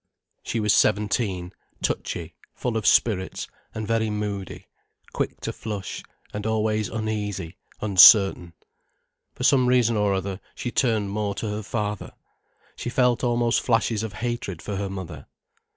She was seventeen, touchy, full of spirits, and very moody: quick to flush, and always uneasy, uncertain. For some reason or other, she turned more to her father, she felt almost flashes of hatred for her mother.